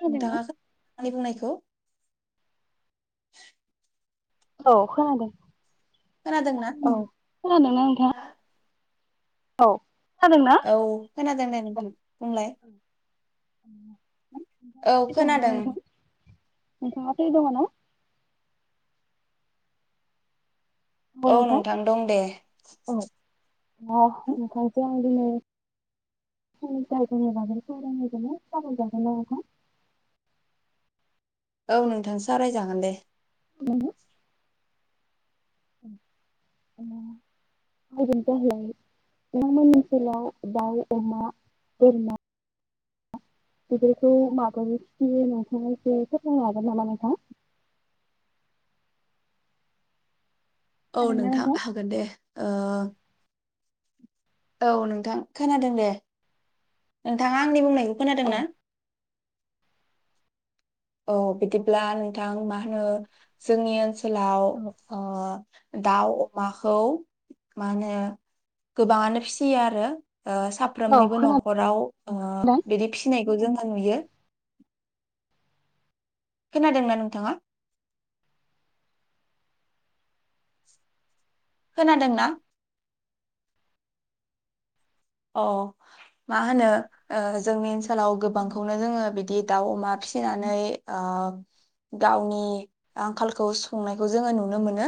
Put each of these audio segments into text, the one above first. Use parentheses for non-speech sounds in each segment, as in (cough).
खोनादोंना? नोंथाङा खोना आंनि बुंनायखौ (inaudible) औ खोनादों खोनादोंना? औ खोनादों ना नोंथाङा औ खोनादोंना? औ खोनादों दे बुंलाय औ (unintelligible) दं ना खोनादों नोंथां नोंथाङा फ्रि दङना औ नोंथां औ (unintelligible) औ नोंथां सावरायजागोन दे (unintelligible) (unintelligible) नोंथांमोननि ओनसोलाव दाउ अमा बोरमा बेफोरखौ माबोरै फिसियो नोंथाङा एसे फोरमायनो हागोन नामा नोंथां औ नोंथां हागोन दे ओह औ नोंथां खोनादों दे नोंथाङा आंनि बुंनाय खोनादों औ ना। औ बिदिब्ला नोंथां मा होनो जोंनि ओनसो लाव औ ओ दाउ अमाखौ मा होनो गोबांङानो फिसियो आरो। औ साफ्रोमनिबो न' खोनादों। खराव ओ बिदि फि नायखौ जोंङो नुयो। खोनादोंना नोंथाङा खोनादोंना। अ मा होनो जोंनि ओनसो लाव गोबांखौनो जोंङो बिदि दाव अमा फिनानै गावनि आंखालखौ सुफुंनायखौ जोंङो नुनो मोनो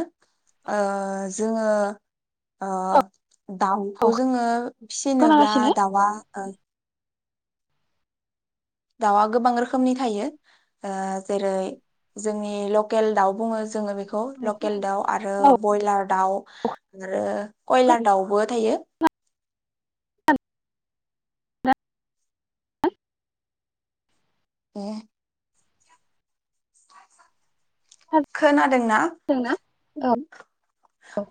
जोंङो ओ औ दाउखौ जोंङो फिसिनोब्ला खोनागासिनो दाउआ ओ दाउआ गोबां रोखोमनि थायो ओ जेरै जोंनि लकेल दाउ बुङो जोंङो बे खौ औ लकेल खोनादों दाउ आरो औ बयलार दाउ आरो कयलार दाउबो थायो। खोनादोंना? ए खोनादोंना औ